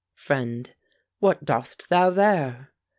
FRIEND. What dost thou there?